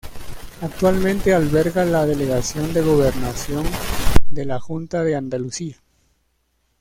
Actualmente alberga la Delegación de Gobernación de la Junta de Andalucía.